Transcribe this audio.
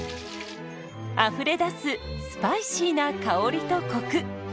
あふれ出すスパイシーな香りとコク。